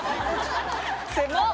狭っ！